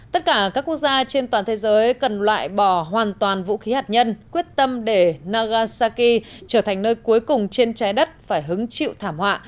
tất cả các quốc gia trên toàn thế giới cần loại bỏ hoàn toàn vũ khí hạt nhân quyết tâm để nagasaki trở thành nơi cuối cùng trên trái đất phải hứng chịu thảm họa